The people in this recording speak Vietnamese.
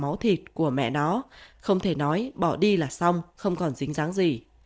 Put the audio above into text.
máu thịt của mẹ nó không thể nói bỏ đi là xong không còn dính dáng gì